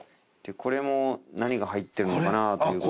これも何が入ってるのかなと。